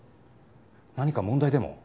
何か問題でも？